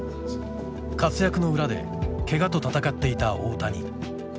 活躍の裏でケガと闘っていた大谷。